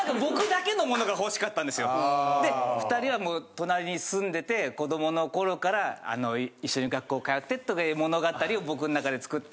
で２人は隣に住んでて子どもの頃から一緒に学校通ってとかいう物語を僕の中で作って。